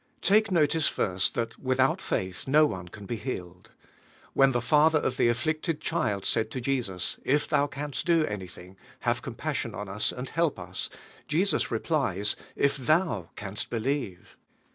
Take notice first, that without faith no one can be healed. When the Father ot the afflicted child said to Jesus, "If Thou canst do anything, have compassion on us, anti help us, ' Jesus replies; "If tlwu canst believe."